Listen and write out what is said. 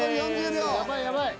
やばいやばい。